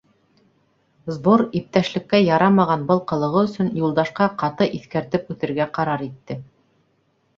Сбор иптәшлеккә ярамаған был ҡылығы өсөн Юлдашҡа ҡаты иҫкәртеп үтергә ҡарар итте.